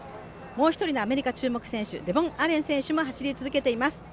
もう一人のアメリカ注目選手、デボン・アレン選手も走り始めています。